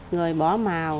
người bỏ màu